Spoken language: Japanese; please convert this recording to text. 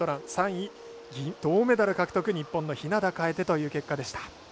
３位、銅メダル獲得日本の日向楓という結果でした。